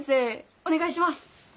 お願いします。